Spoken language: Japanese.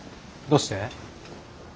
どうして？